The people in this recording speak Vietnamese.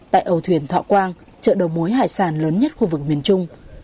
tại âu thuyền thọ quang chợ đầu mối hải sản lớn nhất khu vực miền trung